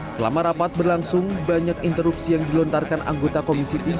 selama rapat berlangsung banyak interupsi yang dilontarkan anggota komisi tiga